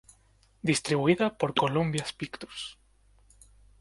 Distribuida por Columbia Pictures.